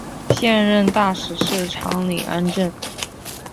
现任大使是长岭安政。